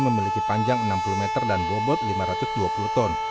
memiliki panjang enam puluh meter dan bobot lima ratus dua puluh ton